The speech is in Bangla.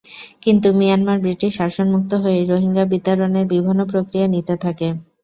কিন্তু মিয়ানমার ব্রিটিশ শাসনমুক্ত হয়েই রোহিঙ্গা বিতাড়নের বিভিন্ন প্রক্রিয়া নিতে থাকে।